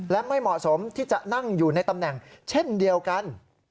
และไม่เหมาะสมที่จะนั่งอยู่ในตำแหน่งเช่นเดียวกัน